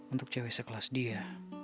untuk cewek sekelas dia